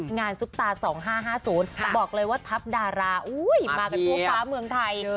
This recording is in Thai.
ซุปตา๒๕๕๐บอกเลยว่าทัพดารามากันทั่วฟ้าเมืองไทย